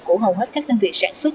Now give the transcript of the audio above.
của hầu hết các đơn vị sản xuất